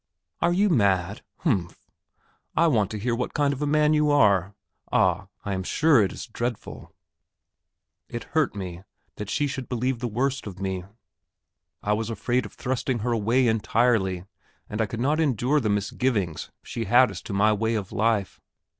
"Are you mad?... Humph, ... I want to hear what kind of a man you are.... Ah, I am sure it is dreadful." It hurt me that she should believe the worst of me; I was afraid of thrusting her away entirely, and I could not endure the misgivings she had as to my way of life.